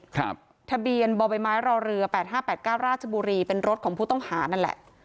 ครับทะเบียนบ่อใบไม้รอเรือแปดห้าแปดเก้าราชบุรีเป็นรถของผู้ต้องหานั่นแหละ